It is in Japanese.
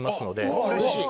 うれしい。